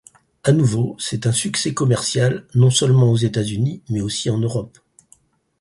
A nouveau, c'est un succès commercial non seulement aux États-Unis mais aussi en Europe.